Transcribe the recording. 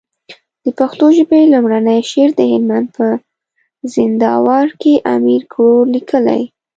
د پښتو ژبي لومړنی شعر د هلمند په زينداور کي امير کروړ ليکلی